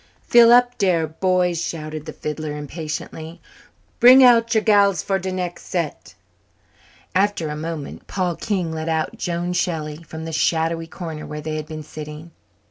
"Fill up dere, boys," shouted the fiddler impatiently. "Bring out your gals for de nex' set." After a moment Paul King led out Joan Shelley from the shadowy corner where they had been sitting.